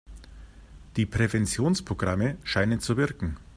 Die Präventionsprogramme scheinen zu wirken.